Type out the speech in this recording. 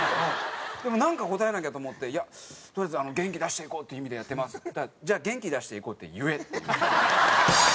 でもなんか答えなきゃと思って「いやとりあえず“元気出していこう！”っていう意味でやってます」って言ったら「じゃあ“元気出していこう”って言え」って言われて。